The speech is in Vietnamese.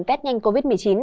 test nhanh covid một mươi chín